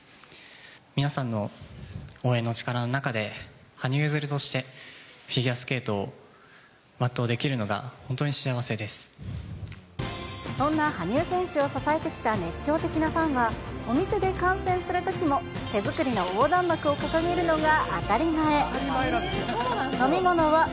皆さんの応援の力の中で、羽生結弦としてフィギュアスケートを全うできるのが本当に幸せでそんな羽生選手を支えてきた熱狂的なファンは、お店で観戦するときも、手作りの横断幕を掲げるのが当たり前。